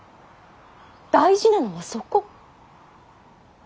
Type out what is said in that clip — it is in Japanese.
大事なのはそこ。